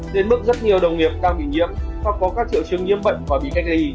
đến mức rất nhiều đồng nghiệp đang bị nhiễm và có các triệu chứng nhiễm bệnh và bị cách đi